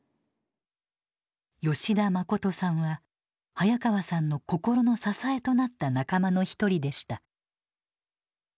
吉田信さんは早川さんの心の支えとなった仲間の一人でした。